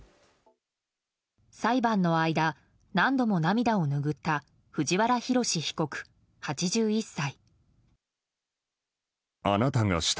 裁判の間、何度も涙を拭った藤原宏被告、８１歳。